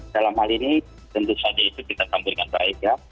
dalam hal ini tentu saja itu kita tampilkan baik ya